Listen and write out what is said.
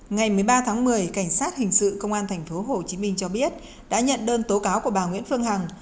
ngày một mươi ba tháng một mươi cảnh sát hình sự công an tp hcm cho biết đã nhận đơn tố cáo của bà nguyễn phương hằng